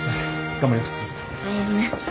頑張ります。